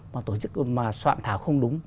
mà soạn thảo không đúng